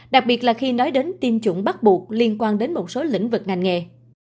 đặc biệt là khi nói đến tiêm chủng bắt buộc liên quan đến một số lĩnh vực ngành nghề